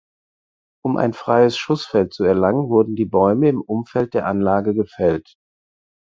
Um ein freies Schussfeld zu erlangen wurden die Bäume im Umfeld der Anlage gefällt.